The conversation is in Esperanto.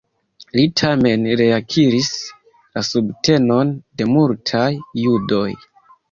Li tamen reakiris la subtenon de multaj judoj.